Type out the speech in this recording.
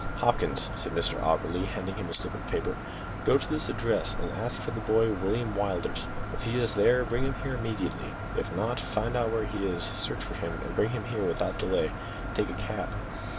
"Hopkins!" said Mr Auberly, handing him a slip of paper, "go to this address and ask for the boy William Willders; if he is there, bring him here immediately; if not, find out where he is, search for him, and bring him here without delay. Take a cab."